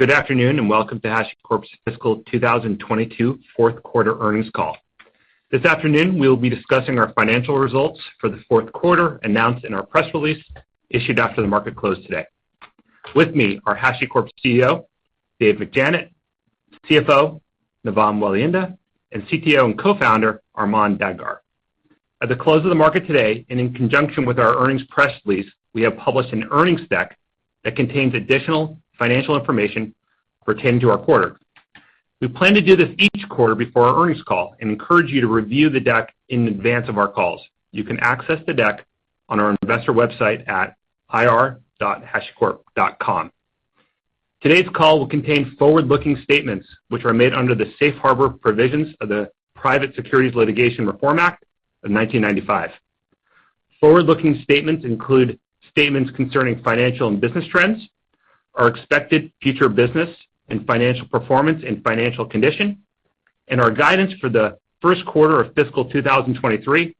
Good afternoon, and welcome to HashiCorp's fiscal 2022 fourth quarter earnings call. This afternoon, we'll be discussing our financial results for the fourth quarter announced in our press release issued after the market closed today. With me are HashiCorp CEO, Dave McJannet, CFO, Navam Welihinda, and CTO and Co-founder, Armon Dadgar. At the close of the market today, and in conjunction with our earnings press release, we have published an earnings deck that contains additional financial information pertaining to our quarter. We plan to do this each quarter before our earnings call and encourage you to review the deck in advance of our calls. You can access the deck on our investor website at ir.hashicorp.com. Today's call will contain forward-looking statements which are made under the safe harbor provisions of the Private Securities Litigation Reform Act of 1995. Forward-looking statements include statements concerning financial and business trends, our expected future business and financial performance and financial condition, and our guidance for the first quarter of fiscal 2023,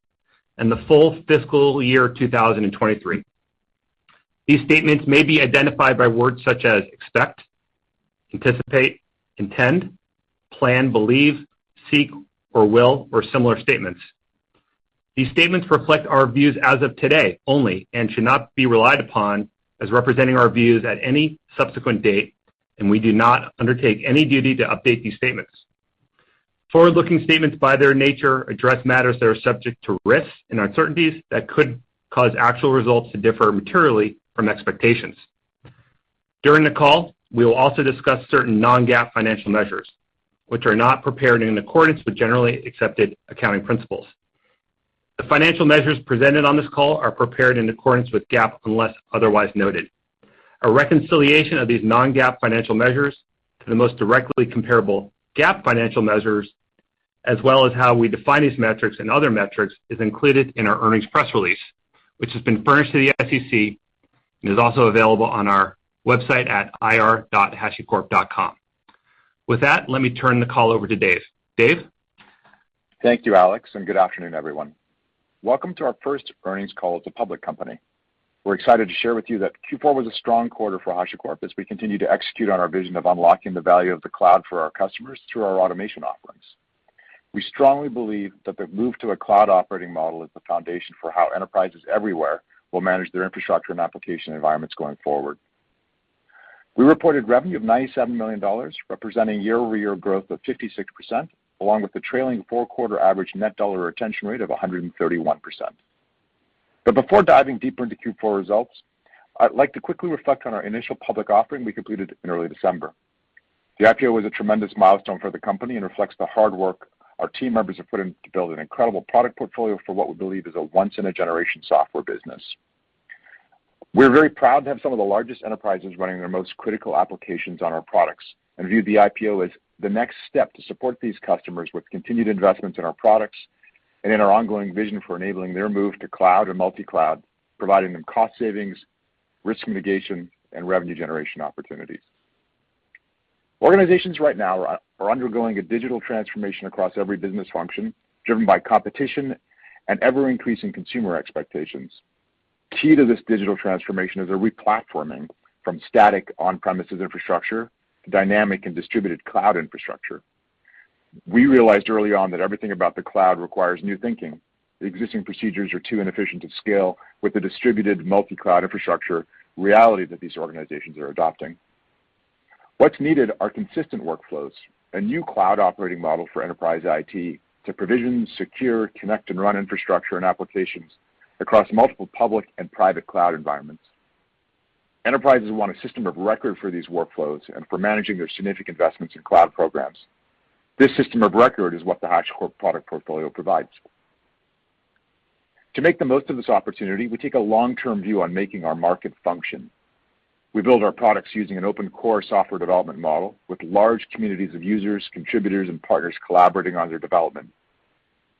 and the full fiscal year 2023. These statements may be identified by words such as expect, anticipate, intend, plan, believe, seek or will, or similar statements. These statements reflect our views as of today only and should not be relied upon as representing our views at any subsequent date, and we do not undertake any duty to update these statements. Forward-looking statements, by their nature, address matters that are subject to risks and uncertainties that could cause actual results to differ materially from expectations. During the call, we will also discuss certain non-GAAP financial measures, which are not prepared in accordance with generally accepted accounting principles. The financial measures presented on this call are prepared in accordance with GAAP, unless otherwise noted. A reconciliation of these non-GAAP financial measures to the most directly comparable GAAP financial measures, as well as how we define these metrics and other metrics, is included in our earnings press release, which has been furnished to the SEC and is also available on our website at ir.hashicorp.com. With that, let me turn the call over to Dave. Dave? Thank you, Alex, and good afternoon, everyone. Welcome to our first earnings call as a public company. We're excited to share with you that Q4 was a strong quarter for HashiCorp as we continue to execute on our vision of unlocking the value of the cloud for our customers through our automation offerings. We strongly believe that the move to a cloud operating model is the foundation for how enterprises everywhere will manage their infrastructure and application environments going forward. We reported revenue of $97 million, representing year-over-year growth of 56%, along with the trailing four-quarter average net dollar retention rate of 131%. Before diving deeper into Q4 results, I'd like to quickly reflect on our initial public offering we completed in early December. The IPO was a tremendous milestone for the company and reflects the hard work our team members have put in to build an incredible product portfolio for what we believe is a once-in-a-generation software business. We're very proud to have some of the largest enterprises running their most critical applications on our products and view the IPO as the next step to support these customers with continued investments in our products and in our ongoing vision for enabling their move to cloud and multi-cloud, providing them cost savings, risk mitigation, and revenue generation opportunities. Organizations right now are undergoing a digital transformation across every business function, driven by competition and ever-increasing consumer expectations. Key to this digital transformation is a re-platforming from static on-premises infrastructure to dynamic and distributed cloud infrastructure. We realized early on that everything about the cloud requires new thinking. The existing procedures are too inefficient to scale with the distributed multi-cloud infrastructure reality that these organizations are adopting. What's needed are consistent workflows, a new cloud operating model for enterprise IT to provision, secure, connect, and run infrastructure and applications across multiple public and private cloud environments. Enterprises want a system of record for these workflows and for managing their significant investments in cloud programs. This system of record is what the HashiCorp product portfolio provides. To make the most of this opportunity, we take a long-term view on making our market function. We build our products using an open core software development model with large communities of users, contributors, and partners collaborating on their development.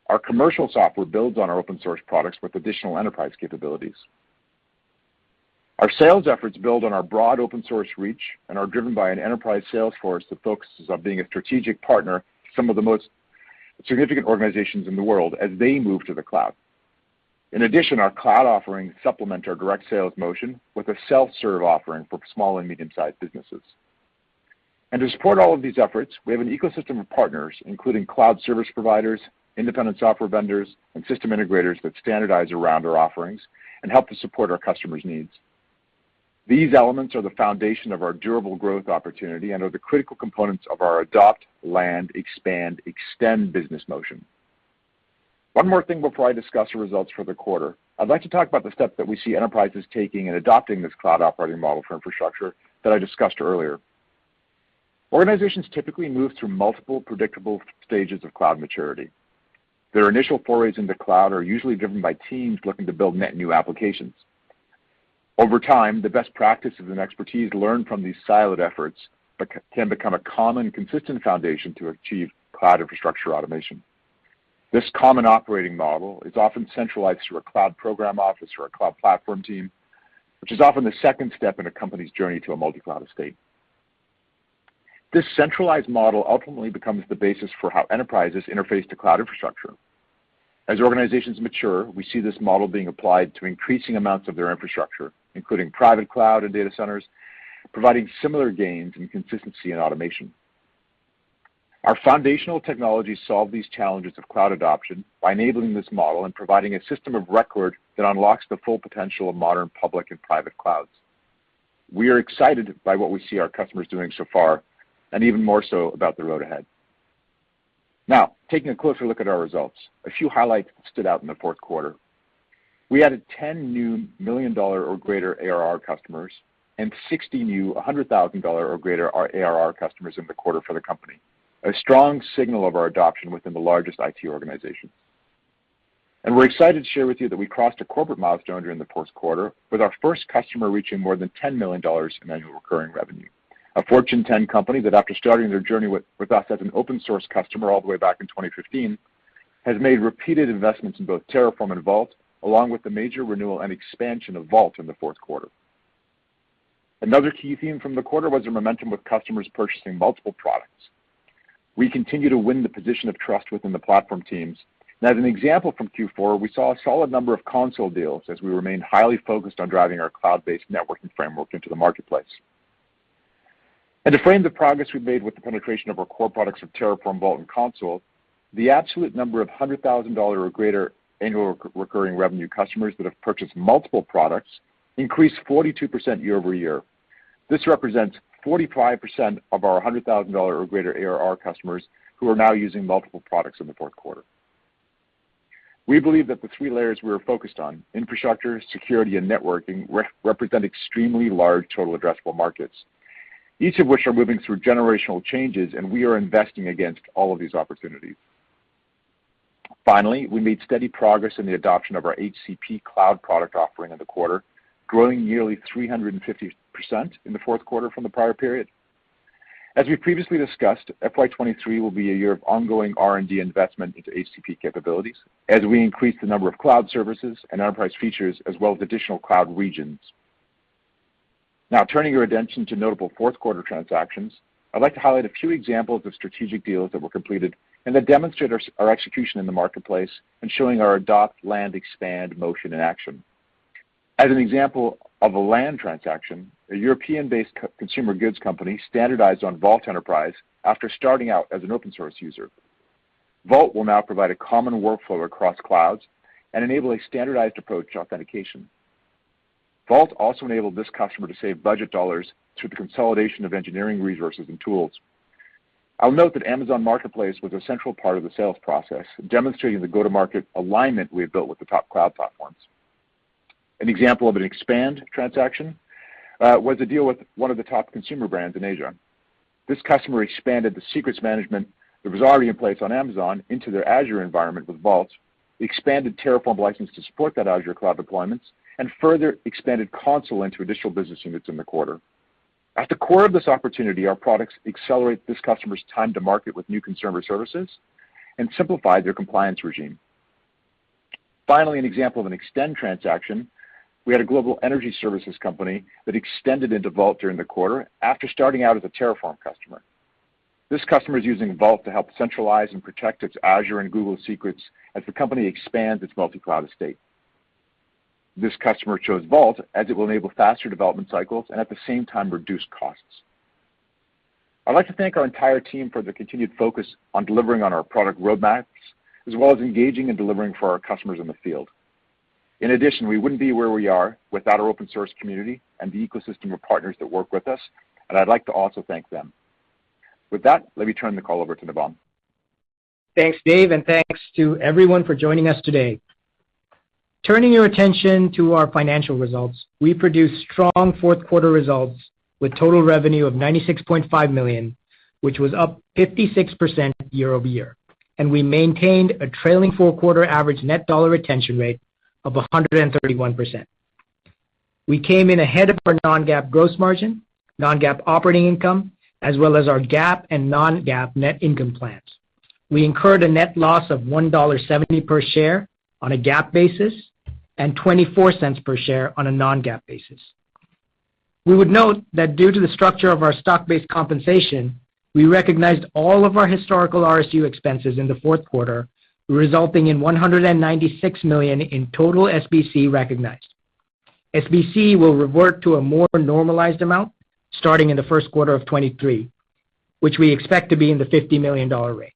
Our commercial software builds on our open source products with additional enterprise capabilities. Our sales efforts build on our broad open source reach and are driven by an enterprise sales force that focuses on being a strategic partner to some of the most significant organizations in the world as they move to the cloud. In addition, our cloud offerings supplement our direct sales motion with a self-serve offering for small and medium-sized businesses. To support all of these efforts, we have an ecosystem of partners, including cloud service providers, independent software vendors, and system integrators that standardize around our offerings and help to support our customers' needs. These elements are the foundation of our durable growth opportunity and are the critical components of our adopt, land, expand, extend business motion. One more thing before I discuss the results for the quarter. I'd like to talk about the steps that we see enterprises taking in adopting this cloud operating model for infrastructure that I discussed earlier. Organizations typically move through multiple predictable stages of cloud maturity. Their initial forays into cloud are usually driven by teams looking to build net new applications. Over time, the best practices and expertise learned from these siloed efforts can become a common, consistent foundation to achieve cloud infrastructure automation. This common operating model is often centralized through a cloud program office or a cloud platform team, which is often the second step in a company's journey to a multi-cloud state. This centralized model ultimately becomes the basis for how enterprises interface to cloud infrastructure. As organizations mature, we see this model being applied to increasing amounts of their infrastructure, including private cloud and data centers, providing similar gains in consistency and automation. Our foundational technologies solve these challenges of cloud adoption by enabling this model and providing a system of record that unlocks the full potential of modern public and private clouds. We are excited by what we see our customers doing so far, and even more so about the road ahead. Now, taking a closer look at our results, a few highlights stood out in the fourth quarter. We added 10 new million-dollar or greater ARR customers and 60 new hundred-thousand-dollar or greater ARR customers in the quarter for the company, a strong signal of our adoption within the largest IT organization. We're excited to share with you that we crossed a corporate milestone during the fourth quarter with our first customer reaching more than $10 million in annual recurring revenue. A Fortune 10 company that, after starting their journey with us as an open source customer all the way back in 2015, has made repeated investments in both Terraform and Vault, along with the major renewal and expansion of Vault in the fourth quarter. Another key theme from the quarter was the momentum with customers purchasing multiple products. We continue to win the position of trust within the platform teams. As an example from Q4, we saw a solid number of Consul deals as we remain highly focused on driving our cloud-based networking framework into the marketplace. To frame the progress we've made with the penetration of our core products of Terraform, Vault, and Consul, the absolute number of $100,000 or greater annual recurring revenue customers that have purchased multiple products increased 42% year-over-year. This represents 45% of our $100,000 or greater ARR customers who are now using multiple products in the fourth quarter. We believe that the three layers we are focused on, infrastructure, security, and networking, represent extremely large total addressable markets, each of which are moving through generational changes, and we are investing against all of these opportunities. Finally, we made steady progress in the adoption of our HCP cloud product offering in the quarter, growing nearly 350% in the fourth quarter from the prior period. As we previously discussed, FY 2023 will be a year of ongoing R&D investment into HCP capabilities as we increase the number of cloud services and enterprise features as well as additional cloud regions. Now turning your attention to notable fourth quarter transactions, I'd like to highlight a few examples of strategic deals that were completed and that demonstrate our execution in the marketplace and showing our land and expand motion in action. As an example of a land transaction, a European-based consumer goods company standardized on Vault Enterprise after starting out as an open source user. Vault will now provide a common workflow across clouds and enable a standardized approach to authentication. Vault also enabled this customer to save budget dollars through the consolidation of engineering resources and tools. I'll note that AWS Marketplace was a central part of the sales process, demonstrating the go-to-market alignment we have built with the top cloud platforms. An example of an expand transaction was a deal with one of the top consumer brands in Asia. This customer expanded the secrets management that was already in place on Amazon into their Azure environment with Vault, expanded Terraform license to support that Azure cloud deployments, and further expanded Consul into additional business units in the quarter. At the core of this opportunity, our products accelerate this customer's time to market with new consumer services and simplify their compliance regime. Finally, an example of an extend transaction, we had a global energy services company that extended into Vault during the quarter after starting out as a Terraform customer. This customer is using Vault to help centralize and protect its Azure and Google secrets as the company expands its multi-cloud estate. This customer chose Vault as it will enable faster development cycles and at the same time reduce costs. I'd like to thank our entire team for the continued focus on delivering on our product roadmaps, as well as engaging and delivering for our customers in the field. In addition, we wouldn't be where we are without our open source community and the ecosystem of partners that work with us, and I'd like to also thank them. With that, let me turn the call over to Navam. Thanks, Dave, and thanks to everyone for joining us today. Turning your attention to our financial results, we produced strong fourth quarter results with total revenue of $96.5 million, which was up 56% year-over-year, and we maintained a trailing four-quarter average net dollar retention rate of 131%. We came in ahead of our non-GAAP gross margin, non-GAAP operating income, as well as our GAAP and non-GAAP net income plans. We incurred a net loss of $1.70 per share on a GAAP basis and $0.24 per share on a non-GAAP basis. We would note that due to the structure of our stock-based compensation, we recognized all of our historical RSU expenses in the fourth quarter, resulting in $196 million in total SBC recognized. SBC will revert to a more normalized amount starting in the first quarter of 2023, which we expect to be in the $50 million range.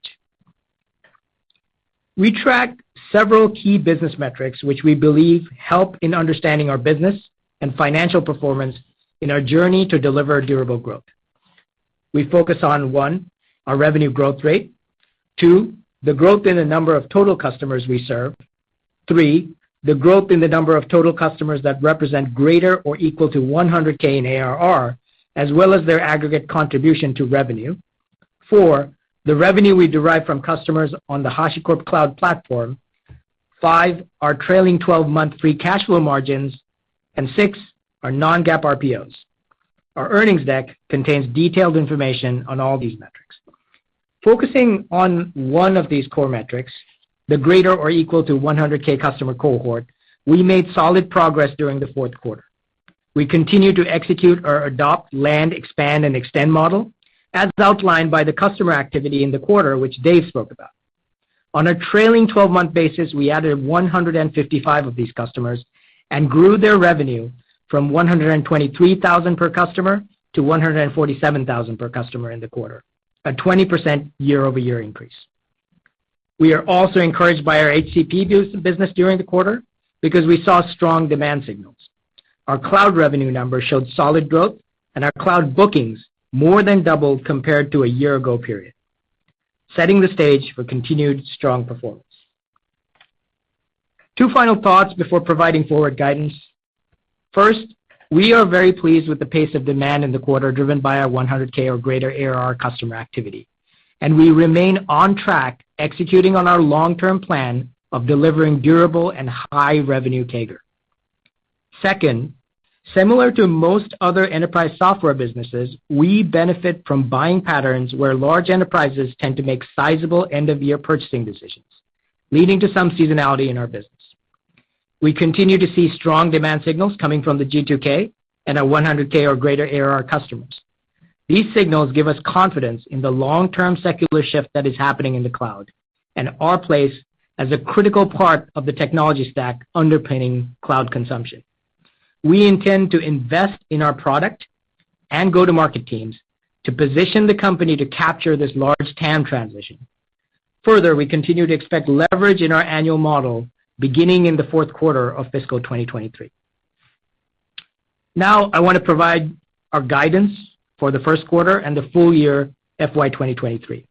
We tracked several key business metrics, which we believe help in understanding our business and financial performance in our journey to deliver durable growth. We focus on, one, our revenue growth rate. Two, the growth in the number of total customers we serve. Three, the growth in the number of total customers that represent greater or equal to 100K in ARR, as well as their aggregate contribution to revenue. Four, the revenue we derive from customers on the HashiCorp Cloud Platform. Five, our trailing twelve-month free cash flow margins. Six, our non-GAAP RPOs. Our earnings deck contains detailed information on all these metrics. Focusing on one of these core metrics, the greater or equal to 100K customer cohort, we made solid progress during the fourth quarter. We continue to execute our adopt, land, expand, and extend model as outlined by the customer activity in the quarter, which Dave spoke about. On a trailing twelve-month basis, we added 155 of these customers and grew their revenue from $123,000 per customer to $147,000 per customer in the quarter, a 20% year-over-year increase. We are also encouraged by our HCP business during the quarter because we saw strong demand signals. Our cloud revenue numbers showed solid growth, and our cloud bookings more than doubled compared to a year ago period, setting the stage for continued strong performance. Two final thoughts before providing forward guidance. First, we are very pleased with the pace of demand in the quarter, driven by our 100K or greater ARR customer activity, and we remain on track executing on our long-term plan of delivering durable and high revenue CAGR. Second, similar to most other enterprise software businesses, we benefit from buying patterns where large enterprises tend to make sizable end-of-year purchasing decisions, leading to some seasonality in our business. We continue to see strong demand signals coming from the G2K and our 100K or greater ARR customers. These signals give us confidence in the long-term secular shift that is happening in the cloud and our place as a critical part of the technology stack underpinning cloud consumption. We intend to invest in our product and go-to-market teams to position the company to capture this large TAM transition. Further, we continue to expect leverage in our annual model beginning in the fourth quarter of fiscal 2023. Now, I want to provide our guidance for the first quarter and the full year FY 2023.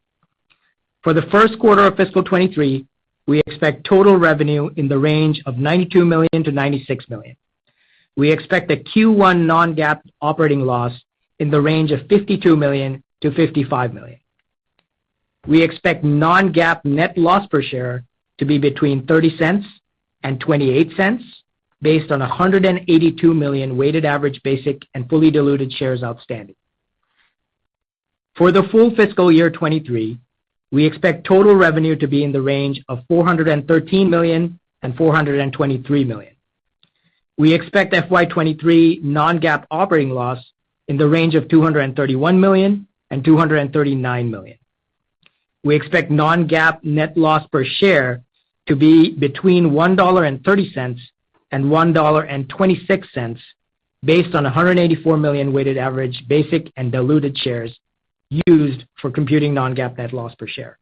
For the first quarter of fiscal 2023, we expect total revenue in the range of $92 million-$96 million. We expect a Q1 non-GAAP operating loss in the range of $52 million-$55 million. We expect non-GAAP net loss per share to be between $0.30 and $0.28 based on 182 million weighted average basic and fully diluted shares outstanding. For the full fiscal year 2023, we expect total revenue to be in the range of $413 million-$423 million. We expect FY 2023 non-GAAP operating loss in the range of $231 million-$239 million. We expect non-GAAP net loss per share to be between $1.30 and $1.26 based on 184 million weighted average basic and diluted shares used for computing non-GAAP net loss per share.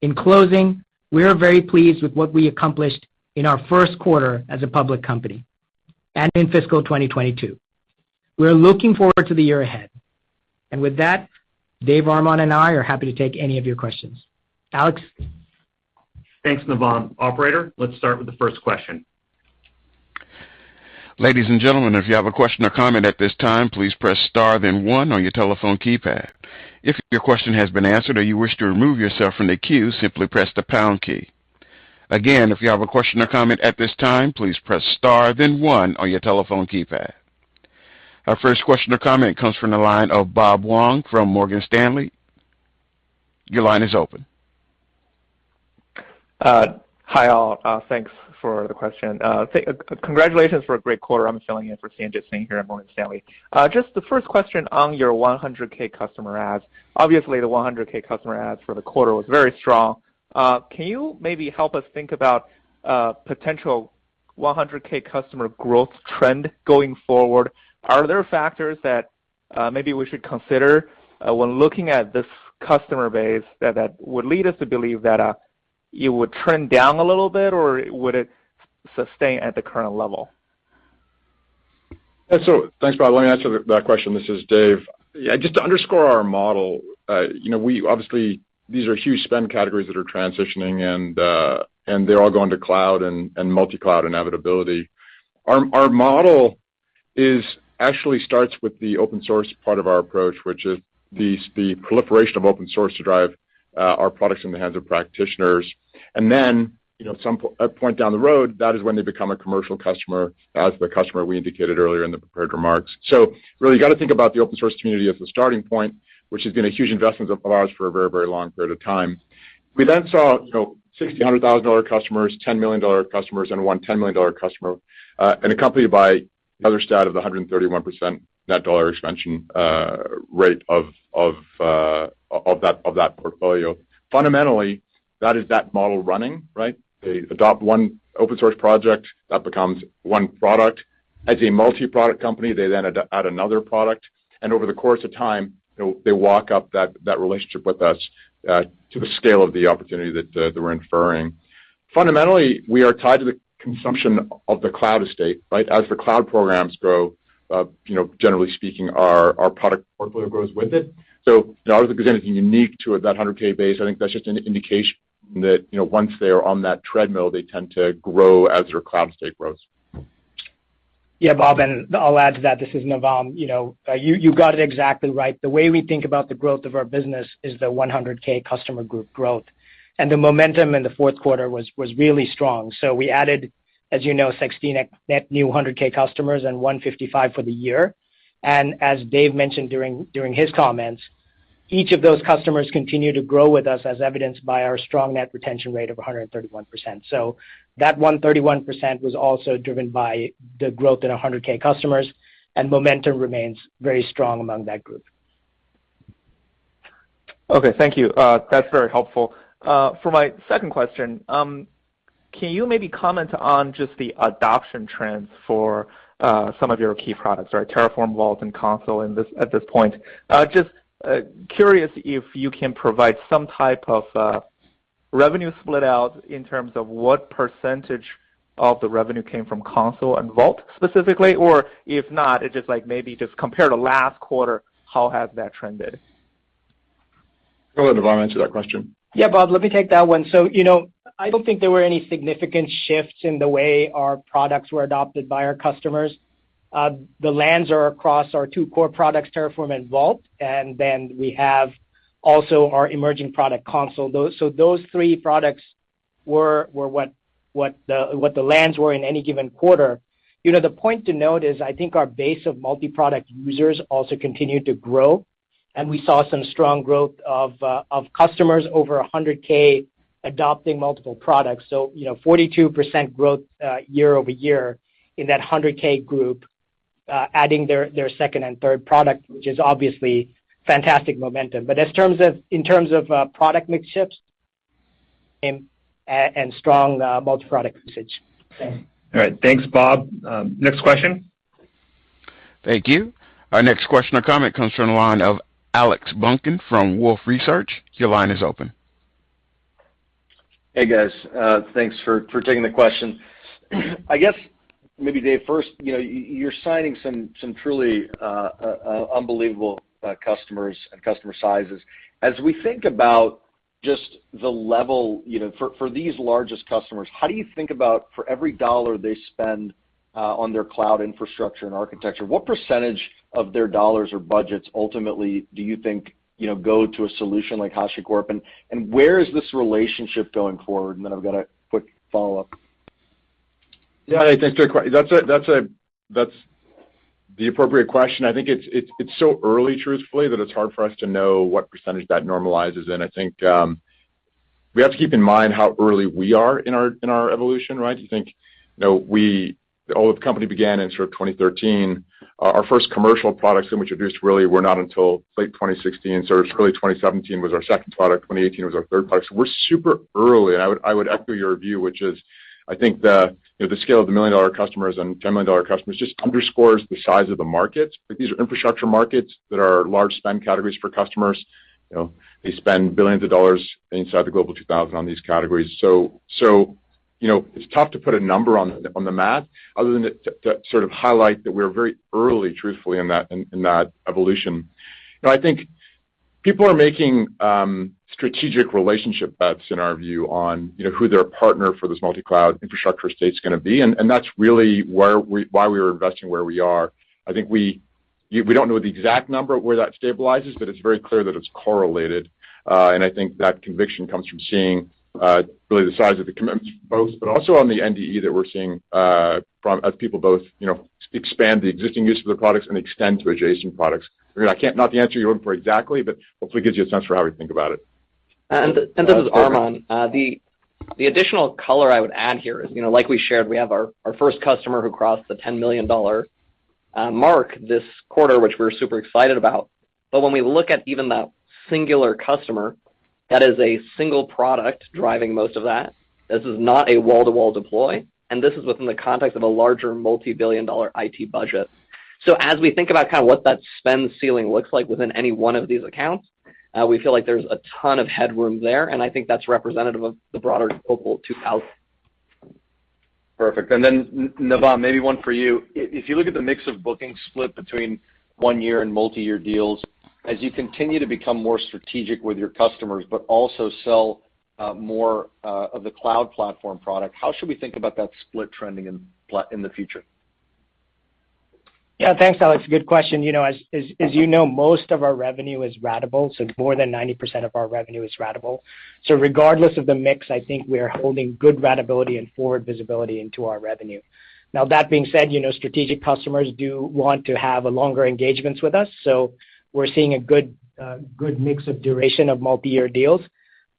In closing, we are very pleased with what we accomplished in our first quarter as a public company and in fiscal 2022. We are looking forward to the year ahead. With that, Dave, Armon, and I are happy to take any of your questions. Alex? Thanks, Navam. Operator, let's start with the first question. Our first question or comment comes from the line of Bob Wang from Morgan Stanley. Your line is open. Hi, all. Thanks for the question. Congratulations for a great quarter. I'm filling in for Sanjit Singh here at Morgan Stanley. Just the first question on your 100K customer adds. Obviously, the 100K customer adds for the quarter was very strong. Can you maybe help us think about potential 100K customer growth trend going forward? Are there factors that maybe we should consider when looking at this customer base that would lead us to believe that it would trend down a little bit, or would it sustain at the current level? Thanks, Bob. Let me answer that question. This is Dave. Yeah, just to underscore our model, you know, we obviously these are huge spend categories that are transitioning and they're all going to cloud and, multi-cloud inevitability. Our model actually starts with the open source part of our approach, which is the proliferation of open source to drive our products in the hands of practitioners. Then, you know, some point down the road, that is when they become a commercial customer as the customer we indicated earlier in the prepared remarks. Really, you got to think about the open source community as a starting point, which has been a huge investment of ours for a very, very long period of time. We saw, you know, $600,000 customers, $10 million customers and one $10 million customer, and accompanied by the other stat of the 131% net dollar expansion rate of that portfolio. Fundamentally, that is that model running, right? They adopt one open source project, that becomes one product. As a multi-product company, they then add another product, and over the course of time, they'll walk up that relationship with us to the scale of the opportunity that we're inferring. Fundamentally, we are tied to the consumption of the cloud estate, right? As the cloud programs grow, you know, generally speaking, our product portfolio grows with it. I don't think there's anything unique to that $100K base. I think that's just an indication that, you know, once they are on that treadmill, they tend to grow as their cloud estate grows. Yeah, Bob, I'll add to that. This is Navam. You know, you got it exactly right. The way we think about the growth of our business is the 100K customer group growth. The momentum in the fourth quarter was really strong. We added, as you know, 16 net new 100K customers and 155 for the year. As Dave mentioned during his comments. Each of those customers continue to grow with us as evidenced by our strong net retention rate of 131%. That 131% was also driven by the growth in 100K customers, and momentum remains very strong among that group. Okay. Thank you. That's very helpful. For my second question, can you maybe comment on just the adoption trends for some of your key products, right, Terraform, Vault, and Consul at this point? Just curious if you can provide some type of revenue split out in terms of what percentage of the revenue came from Consul and Vault specifically, or if not, it's just like maybe just compare to last quarter, how has that trend been? Go ahead, Navam, answer that question. Yeah, Bob, let me take that one. You know, I don't think there were any significant shifts in the way our products were adopted by our customers. The lands are across our two core products, Terraform and Vault, and then we have also our emerging product Consul. Those three products were what the lands were in any given quarter. You know, the point to note is I think our base of multi-product users also continued to grow, and we saw some strong growth of customers over 100K adopting multiple products. You know, 42% growth year-over-year in that 100K group adding their second and third product, which is obviously fantastic momentum. But in terms of product mix shifts and strong multi-product usage. All right. Thanks, Bob. Next question. Thank you. Our next question or comment comes from the line of Alex Zukin from Wolfe Research. Your line is open. Hey, guys. Thanks for taking the question. I guess maybe Dave first, you know, you're citing some truly unbelievable customers and customer sizes. As we think about just the level, you know, for these largest customers, how do you think about for every dollar they spend on their cloud infrastructure and architecture, what percentage of their dollars or budgets ultimately do you think, you know, go to a solution like HashiCorp? Where is this relationship going forward? I've got a quick follow-up. Yeah, I think that's the appropriate question. I think it's so early truthfully that it's hard for us to know what percentage that normalizes in. I think we have to keep in mind how early we are in our evolution, right? I think you know we the old company began in sort of 2013. Our first commercial products that we introduced really were not until late 2016. So early 2017 was our second product. 2018 was our third product. So we're super early, and I would echo your view, which is I think you know the scale of the million-dollar customers and ten-million-dollar customers just underscores the size of the markets. Like these are infrastructure markets that are large spend categories for customers. You know, they spend $ billions in the Forbes Global 2000 on these categories. You know, it's tough to put a number on the math other than to sort of highlight that we're very early truthfully in that evolution. You know, I think people are making strategic relationship bets in our view on who their partner for this multi-cloud infrastructure space is gonna be, and that's really where, why we are investing where we are. I think we don't know the exact number on where that stabilizes, but it's very clear that it's correlated. I think that conviction comes from seeing really the size of the commitment both, but also on the NDR that we're seeing as people both, you know, expand the existing use of their products and extend to adjacent products. I mean, not the answer you're hoping for exactly, but hopefully it gives you a sense for how we think about it. This is Armon. The additional color I would add here is, you know, like we shared, we have our first customer who crossed the $10 million mark this quarter, which we're super excited about. When we look at even that singular customer, that is a single product driving most of that. This is not a wall-to-wall deploy, and this is within the context of a larger multi-billion-dollar IT budget. As we think about kind of what that spend ceiling looks like within any one of these accounts, we feel like there's a ton of headroom there, and I think that's representative of the broader Global 2000. Perfect. Navam, maybe one for you. If you look at the mix of bookings split between one year and multi-year deals, as you continue to become more strategic with your customers but also sell more of the cloud platform product, how should we think about that split trending in the future? Yeah. Thanks, Alex. Good question. You know, as you know, most of our revenue is ratable, so more than 90% of our revenue is ratable. So regardless of the mix, I think we are holding good ratability and forward visibility into our revenue. Now that being said, you know, strategic customers do want to have a longer engagements with us, so we're seeing a good mix of duration of multi-year deals.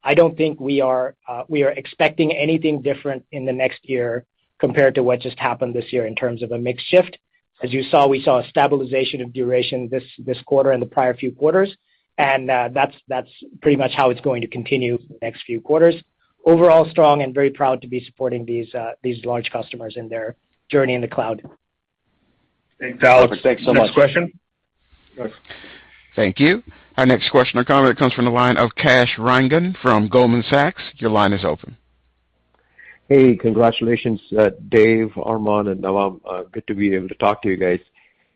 I don't think we are expecting anything different in the next year compared to what just happened this year in terms of a mix shift. As you saw, we saw a stabilization of duration this quarter and the prior few quarters, and that's pretty much how it's going to continue the next few quarters. Overall strong and very proud to be supporting these large customers in their journey in the cloud. Thanks, Alex. Perfect. Thanks so much. Next question. Thank you. Our next question or comment comes from the line of Kash Rangan from Goldman Sachs. Your line is open. Hey, congratulations, Dave, Armon, and Navam. Good to be able to talk to you guys.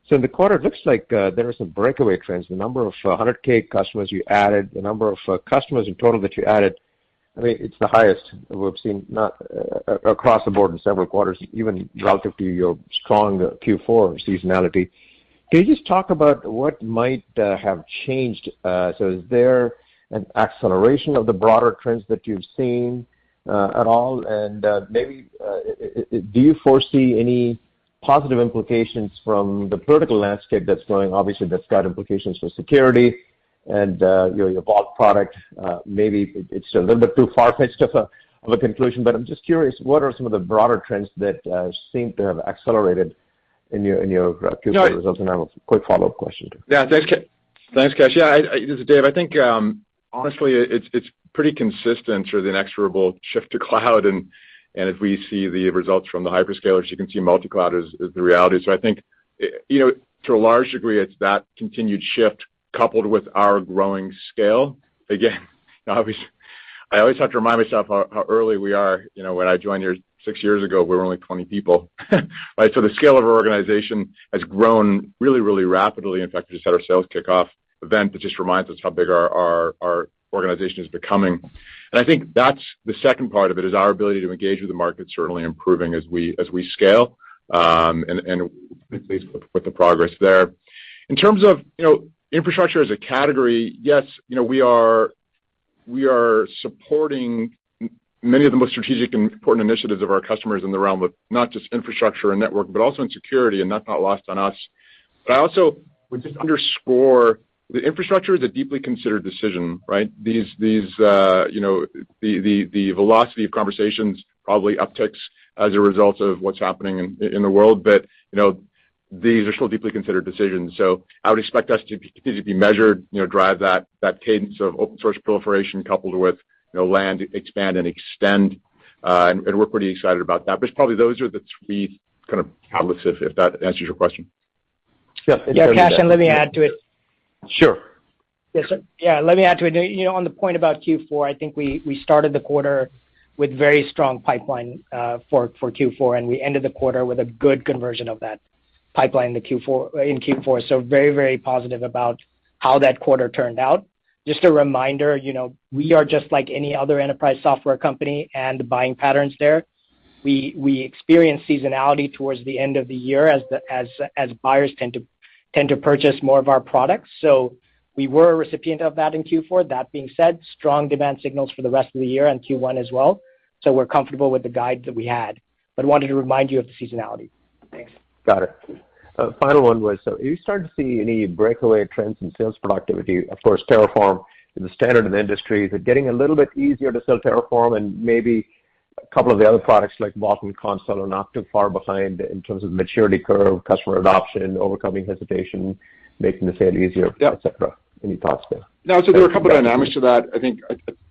In the quarter, it looks like there are some breakaway trends, the number of 100K customers you added, the number of customers in total that you added. I mean, it's the highest we've seen across the board in several quarters, even relative to your strong Q4 seasonality. Can you just talk about what might have changed? Is there an acceleration of the broader trends that you've seen at all? Maybe do you foresee any positive implications from the political landscape that's going, obviously, that's got implications for security and you know, your Vault product. Maybe it's a little bit too far-fetched of a conclusion, but I'm just curious, what are some of the broader trends that seem to have accelerated in your Q4 results? No- I have a quick follow-up question too. Yeah. Thanks, Kash. Yeah, this is Dave. I think, honestly it's pretty consistent or the inexorable shift to cloud and if we see the results from the hyperscalers, you can see multi-cloud is the reality. I think, you know, to a large degree, it's that continued shift coupled with our growing scale. Again, obviously, I always have to remind myself how early we are. You know, when I joined here six years ago, we were only 20 people. Right? So the scale of our organization has grown really rapidly. In fact, we just had our sales kickoff event that just reminds us how big our organization is becoming. I think that's the second part of it, is our ability to engage with the market's certainly improving as we scale, and we're pleased with the progress there. In terms of, you know, infrastructure as a category, yes, you know, we are supporting many of the most strategic and important initiatives of our customers in the realm of not just infrastructure and network, but also in security, and that's not lost on us. I also would just underscore the infrastructure is a deeply considered decision, right? The velocity of conversations probably upticks as a result of what's happening in the world. You know, these are still deeply considered decisions. I would expect us to be measured, you know, drive that cadence of open source proliferation coupled with, you know, land, expand and extend, and we're pretty excited about that. It's probably those are the three kind of outlets, if that answers your question. Yes, it does. Yeah. Yeah, Kash, and let me add to it. Sure. Yes, sir. Yeah, let me add to it. You know, on the point about Q4, I think we started the quarter with very strong pipeline for Q4, and we ended the quarter with a good conversion of that pipeline in Q4, so very positive about how that quarter turned out. Just a reminder, you know, we are just like any other enterprise software company and the buying patterns there. We experience seasonality towards the end of the year as buyers tend to purchase more of our products. So we were a recipient of that in Q4. That being said, strong demand signals for the rest of the year and Q1 as well, so we're comfortable with the guide that we had. Wanted to remind you of the seasonality. Thanks. Got it. Final one was, are you starting to see any breakaway trends in sales productivity? Of course, Terraform is the standard in the industry. Is it getting a little bit easier to sell Terraform and maybe a couple of the other products like Vault and Consul not too far behind in terms of maturity curve, customer adoption, overcoming hesitation, making the sale easier? Yeah. Et cetera. Any thoughts there? No, there are a couple of dynamics to that. I think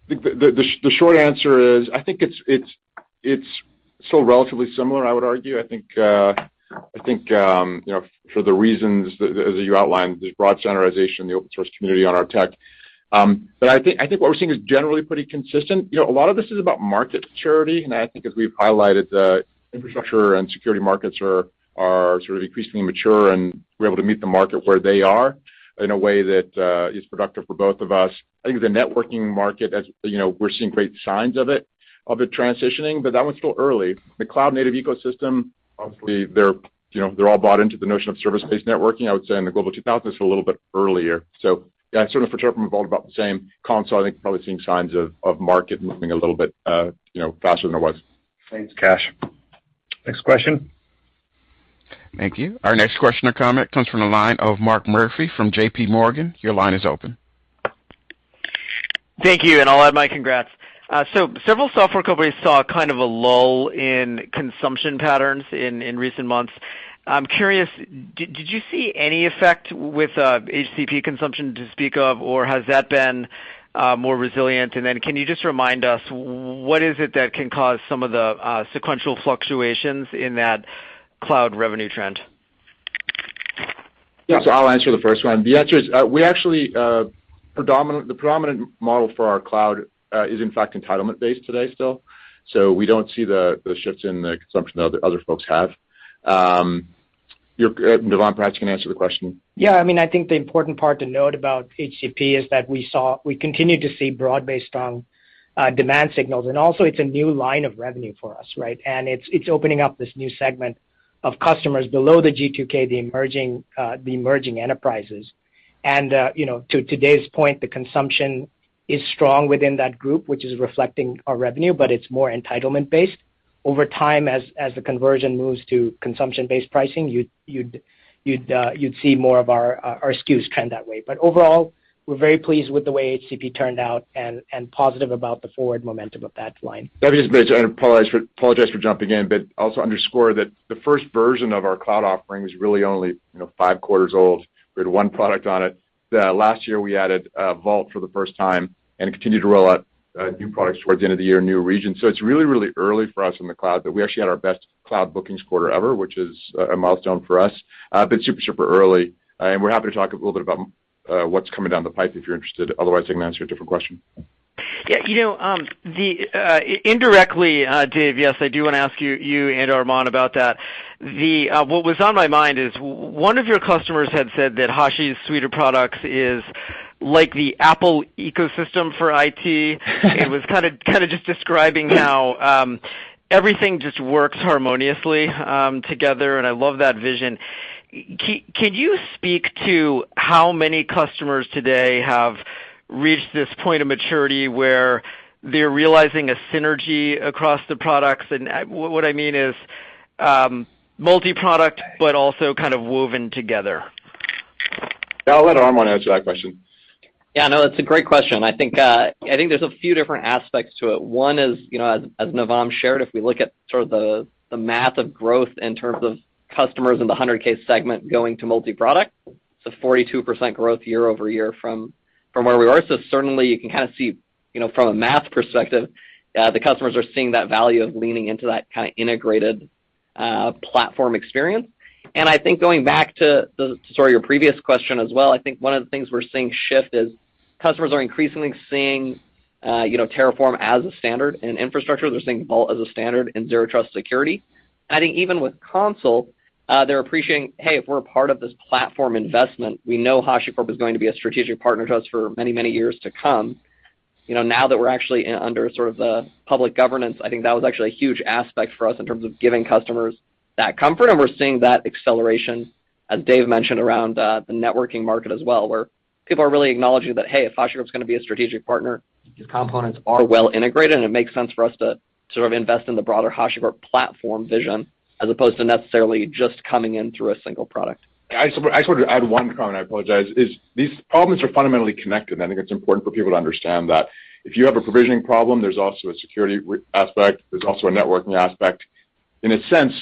the short answer is I think it's still relatively similar, I would argue. I think you know, for the reasons that, as you outlined, the broad standardization in the open source community on our tech. I think what we're seeing is generally pretty consistent. You know, a lot of this is about market maturity, and I think as we've highlighted, the infrastructure and security markets are sort of increasingly mature, and we're able to meet the market where they are in a way that is productive for both of us. I think the networking market as you know, we're seeing great signs of it transitioning, but that one's still early. The cloud-native ecosystem, obviously they're, you know, they're all bought into the notion of service-based networking. I would say in the Global 2000, it's a little bit earlier. Yeah, sort of for Terraform and Vault, about the same. Consul, I think you're probably seeing signs of market moving a little bit, you know, faster than it was. Thanks, Kash. Next question. Thank you. Our next question or comment comes from the line of Mark Murphy from J.P. Morgan. Your line is open. Thank you, and I'll add my congrats. So several software companies saw kind of a lull in consumption patterns in recent months. I'm curious, did you see any effect with HCP consumption to speak of, or has that been more resilient? Can you just remind us what is it that can cause some of the sequential fluctuations in that cloud revenue trend? Yeah. I'll answer the first one. The answer is, the predominant model for our cloud is in fact entitlement-based today still. We don't see the shifts in the consumption other folks have. Navam, perhaps you can answer the question. Yeah. I mean, I think the important part to note about HCP is that we continue to see broad-based strong demand signals. Also it's a new line of revenue for us, right? It's opening up this new segment of customers below the G2K, the emerging enterprises. You know, to today's point, the consumption is strong within that group, which is reflecting our revenue, but it's more entitlement based. Over time, as the conversion moves to consumption-based pricing, you'd see more of our SKUs trend that way. Overall, we're very pleased with the way HCP turned out and positive about the forward momentum of that line. Let me just interject, apologize for jumping in, but also underscore that the first version of our cloud offering is really only, you know, 5 quarters old. We had one product on it. Last year we added Vault for the first time and continued to roll out new products towards the end of the year, new regions. It's really early for us in the cloud, but we actually had our best cloud bookings quarter ever, which is a milestone for us. But super early. We're happy to talk a little bit about what's coming down the pipe if you're interested. Otherwise, I can answer a different question. Yeah, you know, indirectly, Dave, yes, I do wanna ask you and Armon about that. What was on my mind is one of your customers had said that Hashi's suite of products is like the Apple ecosystem for IT. It was kinda just describing how everything just works harmoniously together, and I love that vision. Can you speak to how many customers today have Reached this point of maturity where they're realizing a synergy across the products? What I mean is, multi-product, but also kind of woven together. Yeah, I'll let Armon answer that question. Yeah, no, it's a great question. I think there's a few different aspects to it. One is, you know, as Navam shared, if we look at sort of the math of growth in terms of customers in the 100K case segment going to multi-product, it's a 42% growth year-over-year from where we were. So certainly you can kind of see, you know, from a math perspective, the customers are seeing that value of leaning into that kind of integrated platform experience. I think going back to the, sorry, your previous question as well, I think one of the things we're seeing shift is customers are increasingly seeing, you know, Terraform as a standard in infrastructure. They're seeing Vault as a standard in zero trust security. I think even with Consul, they're appreciating, hey, if we're a part of this platform investment, we know HashiCorp is going to be a strategic partner to us for many, many years to come. You know, now that we're actually under sort of the public governance, I think that was actually a huge aspect for us in terms of giving customers that comfort. We're seeing that acceleration, as Dave mentioned, around the networking market as well, where people are really acknowledging that, hey, if HashiCorp's gonna be a strategic partner, these components are well integrated, and it makes sense for us to sort of invest in the broader HashiCorp platform vision as opposed to necessarily just coming in through a single product. I just wanted to add one comment. I apologize. As these problems are fundamentally connected, and I think it's important for people to understand that. If you have a provisioning problem, there's also a security aspect, there's also a networking aspect. In a sense,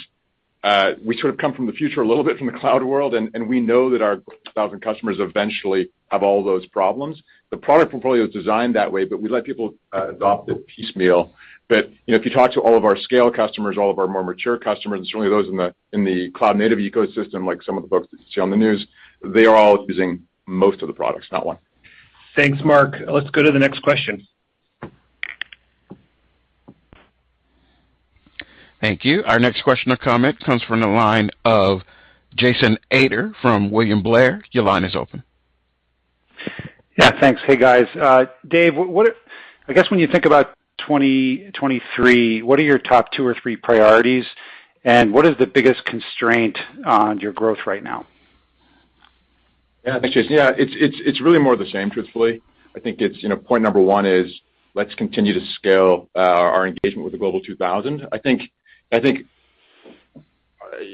we sort of come from the future a little bit from the cloud world, and we know that our 1,000 customers eventually have all those problems. The product portfolio is designed that way, but we let people adopt it piecemeal. You know, if you talk to all of our scale customers, all of our more mature customers, and certainly those in the cloud-native ecosystem, like some of the folks that you see on the news, they are all using most of the products, not one. Thanks, Mark. Let's go to the next question. Thank you. Our next question or comment comes from the line of Jason Ader from William Blair. Your line is open. Yeah, thanks. Hey, guys. Dave, I guess when you think about 2023, what are your top two or three priorities, and what is the biggest constraint on your growth right now? Yeah. Thanks, Jason. It's really more of the same, truthfully. I think it's you know, point number one is let's continue to scale our engagement with the Forbes Global 2000. I think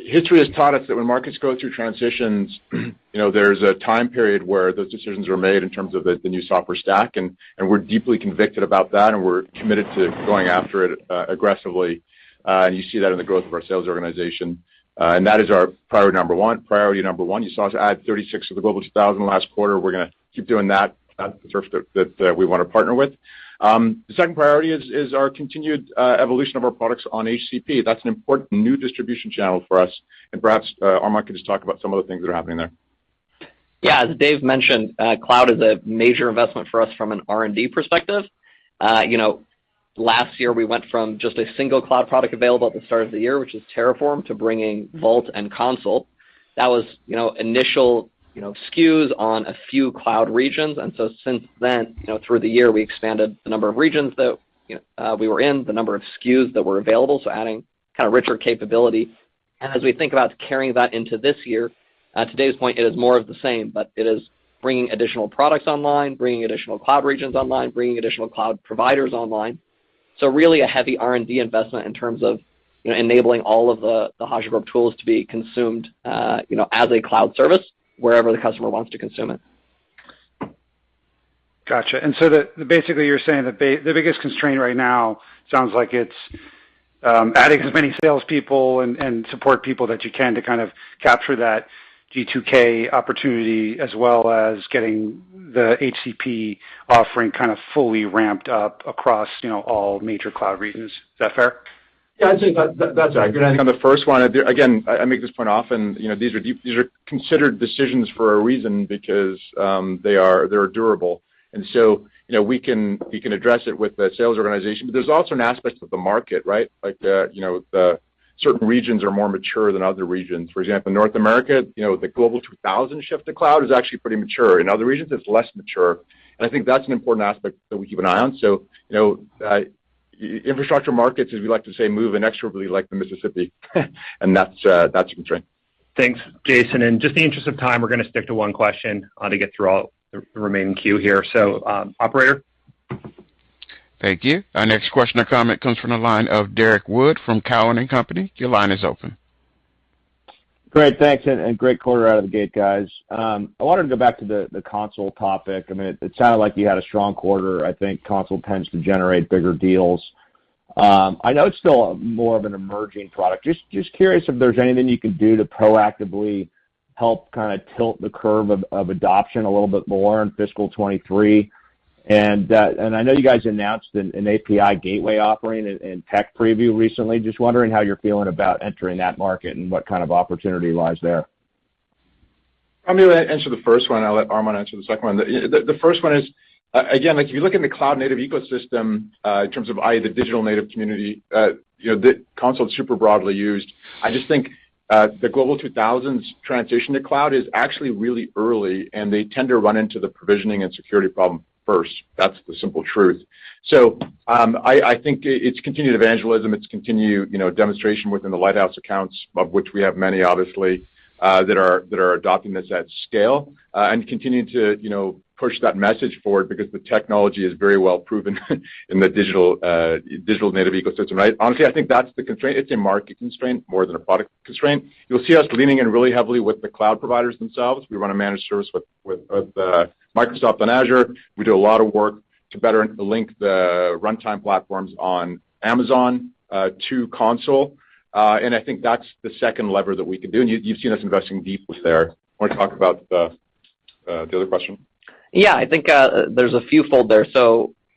history has taught us that when markets go through transitions, you know, there's a time period where those decisions are made in terms of the new software stack, and we're deeply convicted about that, and we're committed to going after it aggressively. You see that in the growth of our sales organization. That is our priority number one. You saw us add 36 of the Forbes Global 2000 last quarter. We're gonna keep doing that, the surface area that we wanna partner with. The second priority is our continued evolution of our products on HCP. That's an important new distribution channel for us. Perhaps, Armon could just talk about some of the things that are happening there. Yeah. As Dave mentioned, cloud is a major investment for us from an R&D perspective. You know, last year we went from just a single cloud product available at the start of the year, which is Terraform, to bringing Vault and Consul. That was initial SKUs on a few cloud regions. Since then, through the year, we expanded the number of regions that we were in, the number of SKUs that were available, so adding kind of richer capability. As we think about carrying that into this year, to Dave's point, it is more of the same, but it is bringing additional products online, bringing additional cloud regions online, bringing additional cloud providers online. Really a heavy R&D investment in terms of, you know, enabling all of the HashiCorp tools to be consumed, you know, as a cloud service wherever the customer wants to consume it. Gotcha. Basically you're saying the biggest constraint right now sounds like it's adding as many salespeople and support people that you can to kind of capture that G2K opportunity as well as getting the HCP offering kind of fully ramped up across, you know, all major cloud regions. Is that fair? Yeah, I think that's accurate. On the first one, again, I make this point often, you know, these are considered decisions for a reason because they're durable. You know, we can address it with the sales organization. But there's also an aspect of the market, right? Like, you know, certain regions are more mature than other regions. For example, North America, you know, the Forbes Global 2000 shift to cloud is actually pretty mature. In other regions, it's less mature. I think that's an important aspect that we keep an eye on. You know, infrastructure markets, as we like to say, move inexorably like the Mississippi, and that's a constraint. Thanks, Jason. In just the interest of time, we're gonna stick to one question, to get through all the remaining queue here. Operator. Thank you. Our next question or comment comes from the line of Derrick Wood from Cowen and Company. Your line is open. Great. Thanks. Great quarter out of the gate, guys. I wanted to go back to the Consul topic. I mean, it sounded like you had a strong quarter. I think Consul tends to generate bigger deals. I know it's still more of an emerging product. Just curious if there's anything you can do to proactively help kinda tilt the curve of adoption a little bit more in fiscal 2023. I know you guys announced an API gateway offering in tech preview recently. Just wondering how you're feeling about entering that market and what kind of opportunity lies there. I'm gonna answer the first one, I'll let Armon Dadgar answer the second one. The first one is, again, like, if you look in the cloud-native ecosystem, in terms of, i.e., the digital native community, you know, the Consul is super broadly used. I just think the Forbes Global 2000's transition to cloud is actually really early, and they tend to run into the provisioning and security problem first. That's the simple truth. I think it's continued evangelism. It's continued, you know, demonstration within the lighthouse accounts of which we have many obviously, that are adopting this at scale, and continuing to, you know, push that message forward because the technology is very well proven in the digital native ecosystem, right? Honestly, I think that's the constraint. It's a market constraint more than a product constraint. You'll see us leaning in really heavily with the cloud providers themselves. We run a managed service with Microsoft on Azure. We do a lot of work to better link the runtime platforms on Amazon to Consul. I think that's the second lever that we can do. You've seen us investing deeply there. Wanna talk about the other question? Yeah, I think there's a fewfold there.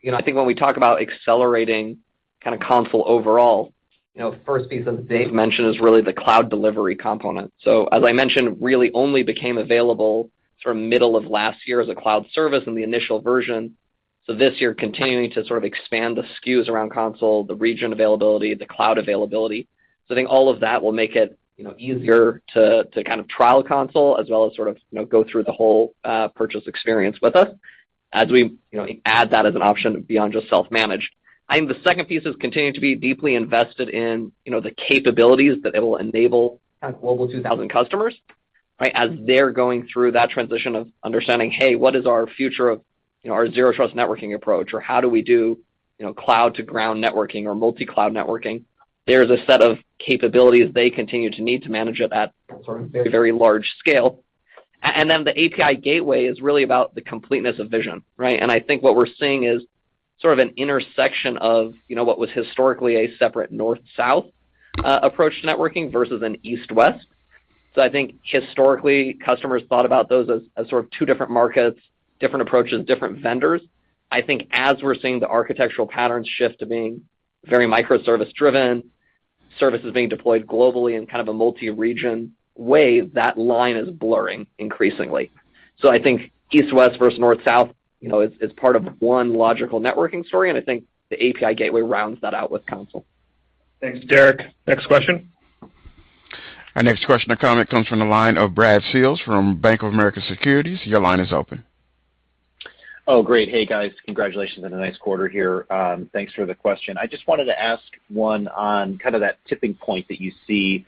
You know, I think when we talk about accelerating kind of Consul overall, you know, first piece that Dave mentioned is really the cloud delivery component. As I mentioned, it really only became available sort of middle of last year as a cloud service in the initial version. This year, continuing to sort of expand the SKUs around Consul, the region availability, the cloud availability. I think all of that will make it, you know, easier to kind of trial Consul as well as sort of, you know, go through the whole purchase experience with us as we, you know, add that as an option beyond just self-managed. I think the second piece is continuing to be deeply invested in, you know, the capabilities that it will enable kind of Global 2000 customers, right? As they're going through that transition of understanding, hey, what is our future of, you know, our zero trust networking approach, or how do we do, you know, cloud to ground networking or multi-cloud networking? There's a set of capabilities they continue to need to manage it at sort of very large scale. And then the API gateway is really about the completeness of vision, right? I think what we're seeing is sort of an intersection of, you know, what was historically a separate north-south approach to networking versus an east-west. I think historically, customers thought about those as sort of two different markets, different approaches, different vendors. I think as we're seeing the architectural patterns shift to being very microservice driven, services being deployed globally in kind of a multi-region way, that line is blurring increasingly. I think east-west versus north-south, you know, is part of one logical networking story, and I think the API gateway rounds that out with Consul. Thanks, Derrick. Next question. Our next question or comment comes from the line of Brad Sills from Bank of America Securities. Your line is open. Oh, great. Hey, guys. Congratulations on a nice quarter here. Thanks for the question. I just wanted to ask one on kind of that tipping point that you see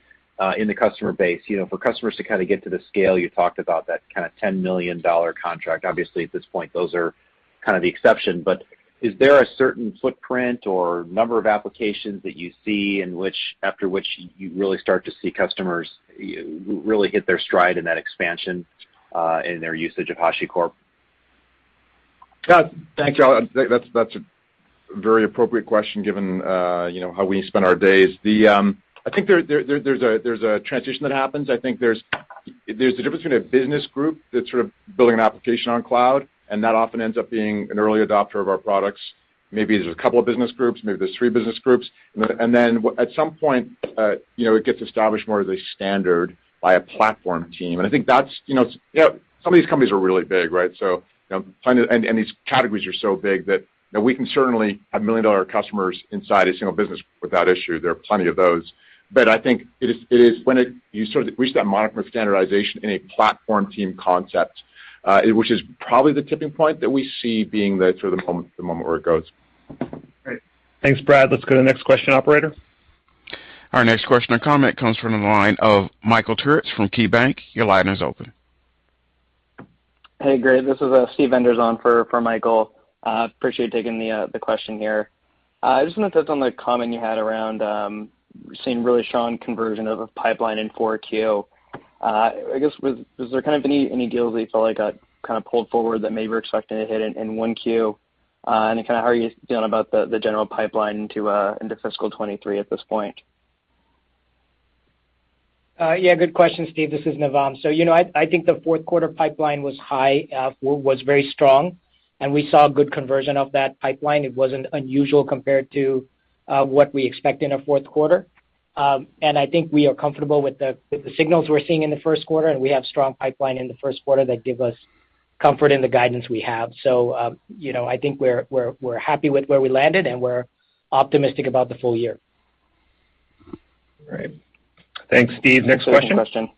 in the customer base. You know, for customers to kind of get to the scale, you talked about that kind of $10 million contract. Obviously, at this point, those are kind of the exception, but is there a certain footprint or number of applications that you see after which you really start to see customers really hit their stride in that expansion in their usage of HashiCorp? Yeah. Thank you. That's a very appropriate question given you know how we spend our days. I think there's a transition that happens. I think there's the difference between a business group that's sort of building an application on cloud, and that often ends up being an early adopter of our products. Maybe there's a couple of business groups, maybe there's three business groups. Then at some point you know it gets established more as a standard by a platform team. I think that's you know. Some of these companies are really big, right? So you know these categories are so big that you know we can certainly have million-dollar customers inside a single business without issue. There are plenty of those. I think it is when you sort of reach that mark for standardization in a platform team concept, which is probably the tipping point that we see being the sort of moment where it goes. Great. Thanks, Brad. Let's go to the next question, operator. Our next question or comment comes from the line of Michael Turits from KeyBanc. Your line is open. Hey, great. This is Steve Enders for Michael. Appreciate taking the question here. I just wanna touch on the comment you had around seeing really strong conversion of a pipeline in 4Q. I guess was there kind of any deals that you felt like got kind of pulled forward that maybe we were expecting to hit in 1Q? And kind of how are you feeling about the general pipeline into fiscal 2023 at this point? Yeah, good question, Steve. This is Navam. You know, I think the fourth quarter pipeline was high, was very strong, and we saw good conversion of that pipeline. It wasn't unusual compared to what we expect in a fourth quarter. I think we are comfortable with the signals we're seeing in the first quarter, and we have strong pipeline in the first quarter that give us comfort in the guidance we have. You know, I think we're happy with where we landed, and we're optimistic about the full year. All right. Thanks, Steve. Next question.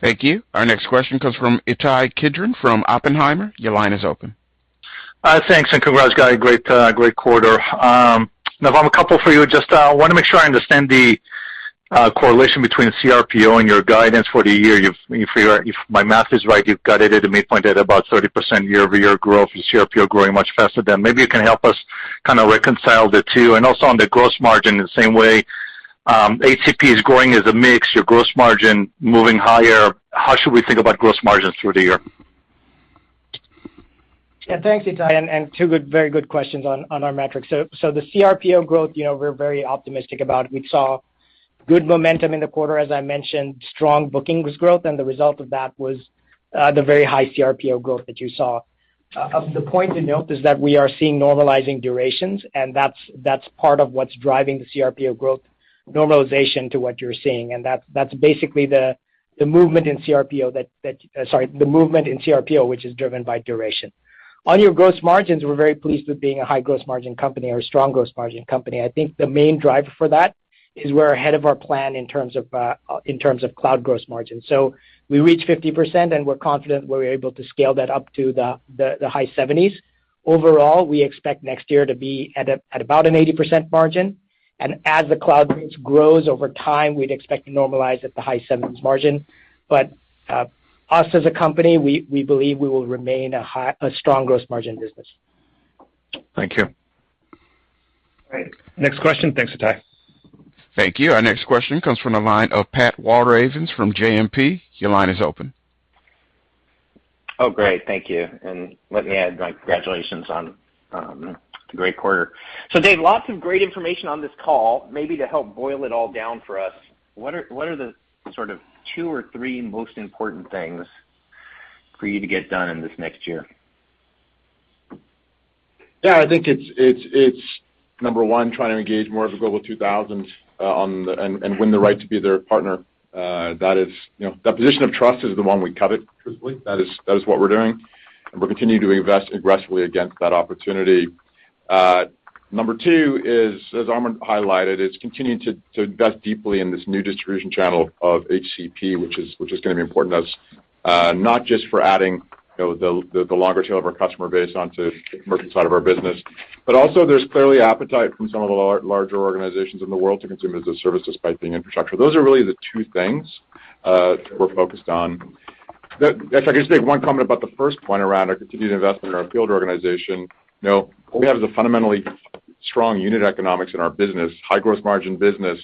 Thank you. Our next question comes from Ittai Kidron from Oppenheimer. Your line is open. Thanks, and congrats, guy. Great quarter. Navam, a couple for you. Just wanna make sure I understand the correlation between CRPO and your guidance for the year. If my math is right, you've guided it and may point at about 30% year-over-year growth. Is CRPO growing much faster then? Maybe you can help us kind of reconcile the two. Also on the gross margin in the same way, HCP is growing as a mix, your gross margin moving higher. How should we think about gross margins through the year? Yeah. Thanks, Ittai, and two good, very good questions on our metrics. The CRPO growth, you know, we're very optimistic about. We saw good momentum in the quarter, as I mentioned, strong bookings growth, and the result of that was the very high CRPO growth that you saw. The point to note is that we are seeing normalizing durations, and that's part of what's driving the CRPO growth normalization to what you're seeing. That's basically the movement in CRPO, which is driven by duration. On your gross margins, we're very pleased with being a high gross margin company or a strong gross margin company. I think the main driver for that is we're ahead of our plan in terms of cloud gross margin. We reached 50%, and we're confident we're able to scale that up to the high 70s%. Overall, we expect next year to be at about an 80% margin, and as the cloud base grows over time, we'd expect to normalize at the high 70s% margin. Us as a company, we believe we will remain a strong gross margin business. Thank you. Great. Next question. Thanks, Ittai. Thank you. Our next question comes from the line of Pat Walravens from JMP. Your line is open. Oh, great. Thank you. Let me add my congratulations on a great quarter. Dave, lots of great information on this call, maybe to help boil it all down for us, what are the sort of two or three most important things for you to get done in this next year? Yeah, I think it's number one, trying to engage more of the Global 2000s and win the right to be their partner. That is, you know, that position of trust is the one we covet, truthfully. That is what we're doing. We're continuing to invest aggressively against that opportunity. Number two is, as Armon highlighted, it's continuing to invest deeply in this new distribution channel of HCP, which is gonna be important to us, not just for adding, you know, the longer tail of our customer base onto the merchant side of our business, but also there's clearly appetite from some of the larger organizations in the world to consume as a service despite being infrastructure. Those are really the two things that we're focused on. If I could just make one comment about the first point around our continued investment in our field organization. You know, what we have is a fundamentally strong unit economics in our business, high-gross margin business,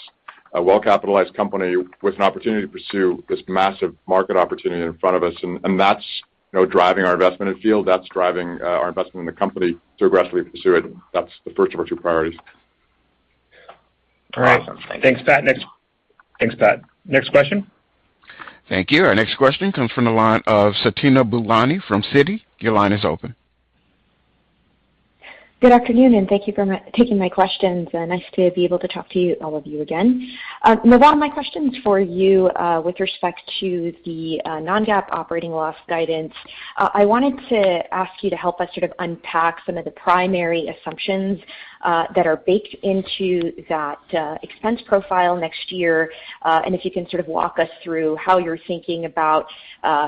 a well-capitalized company with an opportunity to pursue this massive market opportunity in front of us, and that's driving our investment in field, that's driving our investment in the company to aggressively pursue it. That's the first of our two priorities. Awesome. Thank you. Thanks, Pat. Next question. Thank you. Our next question comes from the line of Fatima Boolani from Citi. Your line is open. Good afternoon, and thank you for taking my questions. Nice to be able to talk to you, all of you again. Navam, my question is for you, with respect to the non-GAAP operating loss guidance. I wanted to ask you to help us sort of unpack some of the primary assumptions that are baked into that expense profile next year, and if you can sort of walk us through how you're thinking about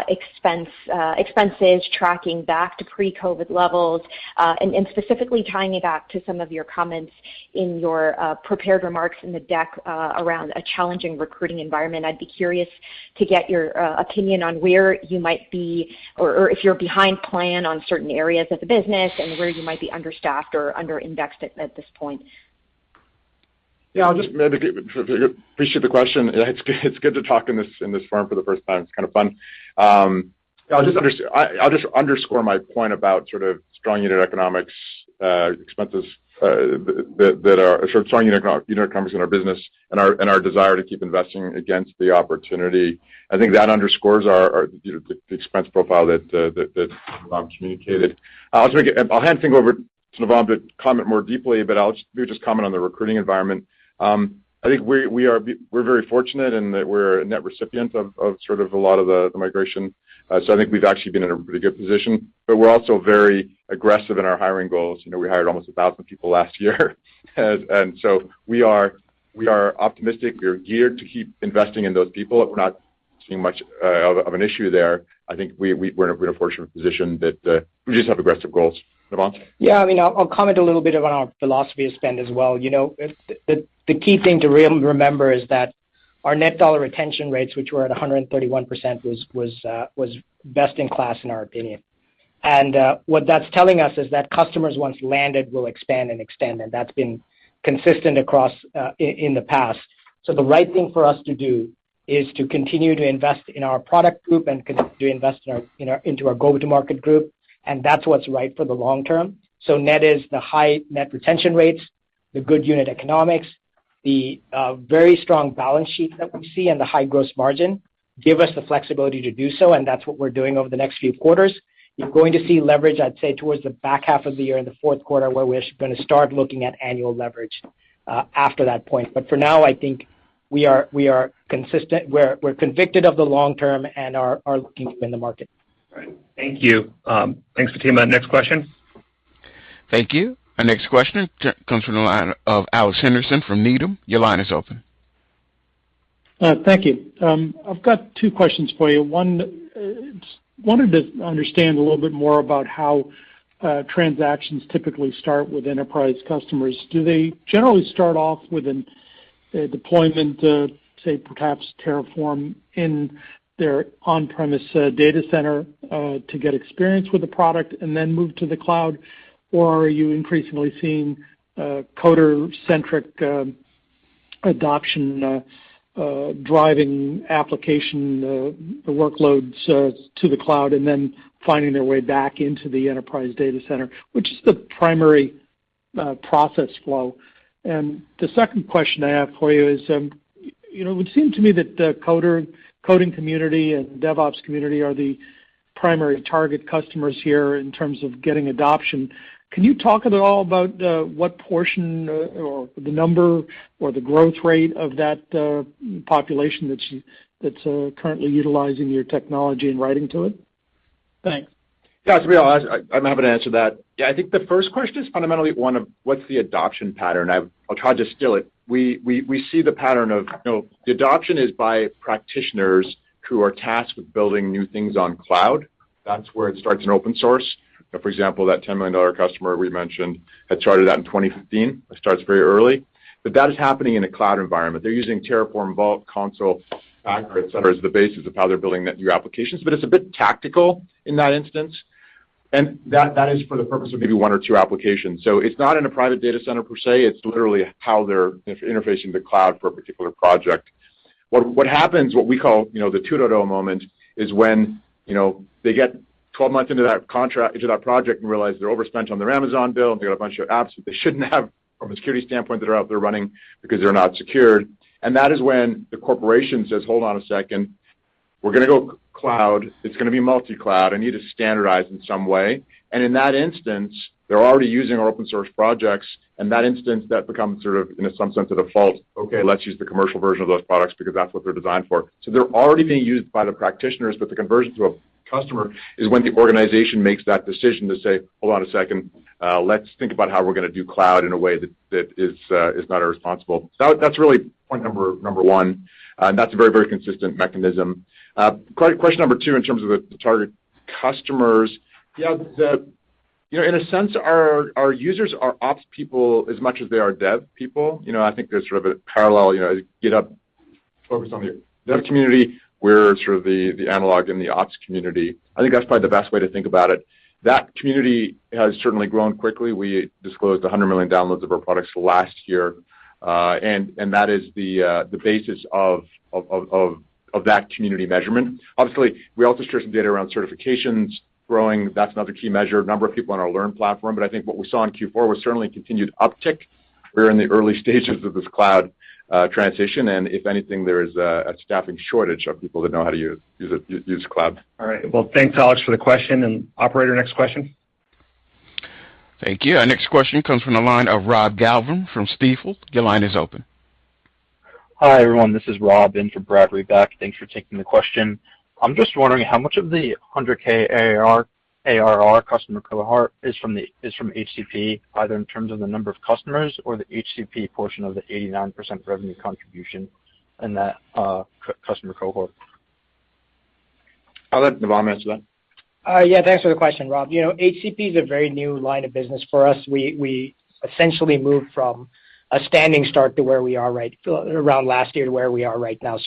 expenses tracking back to pre-COVID levels, and specifically tying it back to some of your comments in your prepared remarks in the deck, around a challenging recruiting environment. I'd be curious to get your opinion on where you might be or if you're behind plan on certain areas of the business and where you might be understaffed or under-indexed at this point. I appreciate the question. It's good to talk in this forum for the first time. It's kind of fun. I'll just underscore my point about sort of strong unit economics, expenses, that are sort of strong unit economics in our business and our desire to keep investing against the opportunity. I think that underscores our, you know, the expense profile that Navam communicated. I'll hand things over to Navam to comment more deeply, but I'll just maybe just comment on the recruiting environment. I think we're very fortunate in that we're a net recipient of sort of a lot of the migration. I think we've actually been in a pretty good position, but we're also very aggressive in our hiring goals. You know, we hired almost 1,000 people last year. We are optimistic. We are geared to keep investing in those people, and we're not seeing much of an issue there. I think we're in a fortunate position that we just have aggressive goals. Navam? Yeah. I mean, I'll comment a little bit on our philosophy of spend as well. You know, the key thing to remember is that our net dollar retention rates, which were at 131%, was best in class in our opinion. What that's telling us is that customers once landed will expand and expand, and that's been consistent in the past. The right thing for us to do is to continue to invest in our product group and continue to invest into our go-to-market group, and that's what's right for the long term. Net is the high net retention rates, the good unit economics, the very strong balance sheet that we see and the high gross margin give us the flexibility to do so, and that's what we're doing over the next few quarters. You're going to see leverage, I'd say, towards the back half of the year in the fourth quarter, where we're gonna start looking at annual leverage after that point. For now, I think we are consistent. We're convicted of the long term and are looking to win the market. All right. Thank you. Thanks, Fatima. Next question. Thank you. Our next question comes from the line of Alex Henderson from Needham. Your line is open. Thank you. I've got two questions for you. One, wanted to understand a little bit more about how transactions typically start with enterprise customers. Do they generally start off with a deployment, say perhaps Terraform in their on-premises data center, to get experience with the product and then move to the cloud? Or are you increasingly seeing coder-centric adoption driving application workloads to the cloud and then finding their way back into the enterprise data center? Which is the primary process flow? The second question I have for you is, you know, it would seem to me that the coder-coding community and DevOps community are the primary target customers here in terms of getting adoption. Can you talk at all about what portion or the number or the growth rate of that population that's currently utilizing your technology and writing to it? Thanks. Yeah, to be honest, I'm happy to answer that. Yeah, I think the first question is fundamentally one of what's the adoption pattern? I'll try to distill it. We see the pattern of you know, the adoption is by practitioners who are tasked with building new things on cloud. That's where it starts in open source. For example, that $10 million customer we mentioned had started out in 2015. It starts very early. But that is happening in a cloud environment. They're using Terraform, Vault, Consul, Packer, et cetera, as the basis of how they're building the new applications. But it's a bit tactical in that instance, and that is for the purpose of maybe one or two applications. So it's not in a private data center per se. It's literally how they're interfacing the cloud for a particular project. What we call, you know, the 2.0 moment is when, you know, they get 12 months into that contract, into that project, and realize they're overspent on their Amazon bill, and they got a bunch of apps that they shouldn't have from a security standpoint that are out there running because they're not secured. That is when the corporation says, "Hold on a second, we're gonna go cloud. It's gonna be multi-cloud. I need to standardize in some way." In that instance, they're already using our open source projects. In that instance, that becomes sort of, in some sense, a default. Okay, let's use the commercial version of those products because that's what they're designed for. They're already being used by the practitioners, but the conversion to a customer is when the organization makes that decision to say, "Hold on a second, let's think about how we're gonna do cloud in a way that is not irresponsible." That's really point number one. That's a very consistent mechanism. Question number two, in terms of the target customers. Yeah, you know, in a sense our users are ops people as much as they are dev people. You know, I think there's sort of a parallel, you know, GitHub focused on the dev community. We're sort of the analog in the ops community. I think that's probably the best way to think about it. That community has certainly grown quickly. We disclosed 100 million downloads of our products last year. that is the basis of that community measurement. Obviously, we also share some data around certifications growing. That's another key measure, number of people on our Learn platform. I think what we saw in Q4 was certainly a continued uptick. We're in the early stages of this cloud transition, and if anything, there is a staffing shortage of people that know how to use cloud. All right. Well, thanks, Alex, for the question. Operator, next question. Thank you. Our next question comes from the line of Rob Galvin from Stifel. Your line is open. Hi, everyone. This is Rob in for Brad Zelnick. Thanks for taking the question. I'm just wondering how much of the 100K ARR customer cohort is from HCP, either in terms of the number of customers or the HCP portion of the 89% revenue contribution in that customer cohort. I'll let Navam answer that. Yeah, thanks for the question, Rob. You know, HCP is a very new line of business for us. We essentially moved from a standing start to where we are right around last year to where we are right now.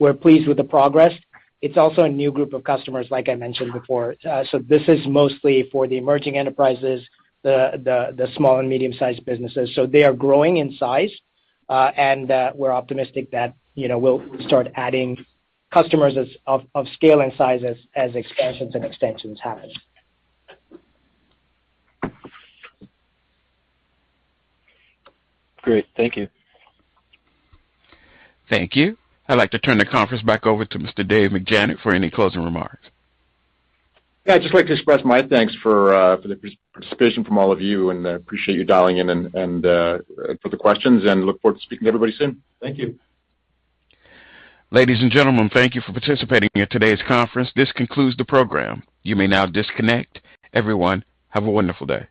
We're pleased with the progress. It's also a new group of customers, like I mentioned before. This is mostly for the emerging enterprises, the small and medium-sized businesses. They are growing in size, and we're optimistic that, you know, we'll start adding customers of scale and size as expansions and extensions happen. Great. Thank you. Thank you. I'd like to turn the conference back over to Mr. Dave McJannet for any closing remarks. Yeah, I'd just like to express my thanks for the participation from all of you, and I appreciate you dialing in and for the questions, and look forward to speaking to everybody soon. Thank you. Ladies and gentlemen, thank you for participating in today's conference. This concludes the program. You may now disconnect. Everyone, have a wonderful day.